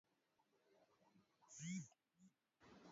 Barabara za Seattle zimejaa vijana wanaokuja kutumia heroini